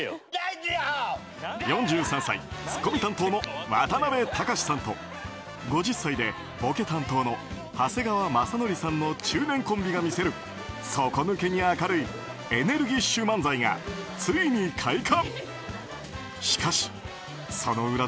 ４３歳、ツッコミ担当の渡辺隆さんと５０歳でボケ担当の長谷川雅紀さんの中年コンビが見せる底抜けに明るいエネルギッシュ漫才がついに開花。